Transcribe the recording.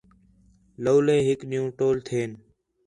لَولے ہِک ݙِین٘ہوں ٹول تھئین